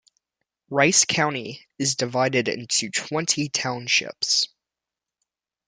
Rice County is divided into twenty townships.